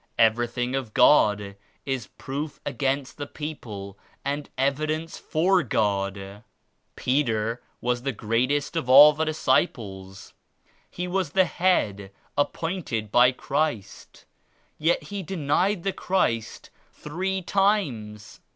Everything of God is proof against the people and evidence for God. Peter was the greatest of all the disciples. He was the *head* appointed by the Christ, yet he denied the Christ three times.